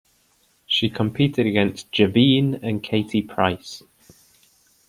She competed against Javine and Katie Price.